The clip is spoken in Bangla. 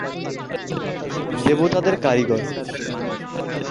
দেবতাদের কারিগর।